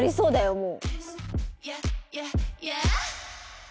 もう。